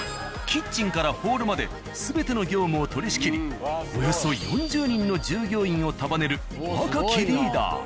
キッチンからホールまで全ての業務を取りしきりおよそ４０人の従業員を束ねる若きリーダー。